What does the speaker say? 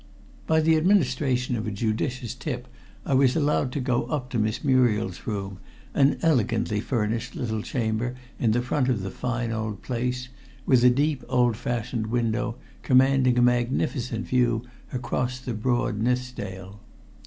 By the administration of a judicious tip I was allowed to go up to Miss Muriel's room, an elegantly furnished little chamber in the front of the fine old place, with a deep old fashioned window commanding a magnificent view across the broad Nithsdale.